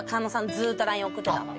ずっとＬＩＮＥ送ってたって。